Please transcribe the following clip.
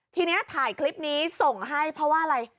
ทีนี้ถ่ายคลิปนี้ส่งให้เพราะว่าอะไร